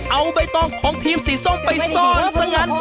เอาใบตองของทีมสีส้มไปซ่อนซะงั้น